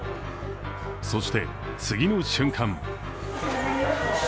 そして、次の瞬間。